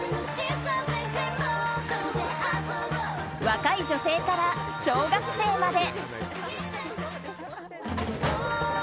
若い女性から小学生まで。